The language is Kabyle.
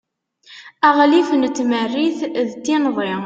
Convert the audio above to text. aɣlif n tmerrit d tinḍi